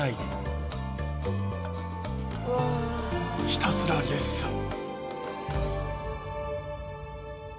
ひたすらレッスン